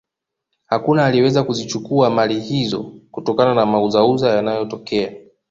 hakuna aliyeweza kuzichukua mali hizo kutokana na mauzauza yanayotokea